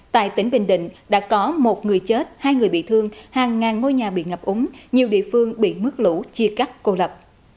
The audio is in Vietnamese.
tại tỉnh bình định đã có một người chết hai người bị thương hàng ngàn ngôi nhà bị ngập úng nhiều địa phương bị nước lũ chia cắt cô lập